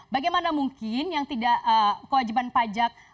bagaimana mungkin yang tidak kewajiban pajak